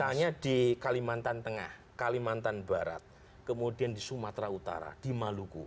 misalnya di kalimantan tengah kalimantan barat kemudian di sumatera utara di maluku